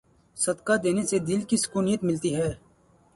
صدقہ دینے سے دل کی سکونیت ملتی ہے۔